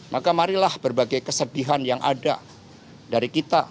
maka marilah berbagai kesedihan yang ada dari kita